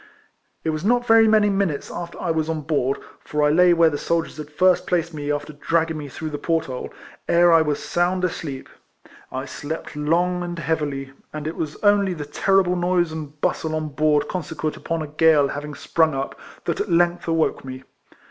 It was not very many minutes after I was on board, for I lay where the sailors had 234 RECOLLECTIONS OF first placed me after dragging me through the port hole, ere I was sound asleep. I slept long and heavily, and it was only the terrible noise and bustle on board conse quent upon a gale having sprung up, that at length awoke me.